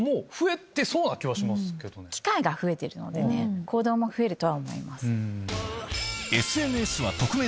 機会が増えてるので行動も増えるとは思います。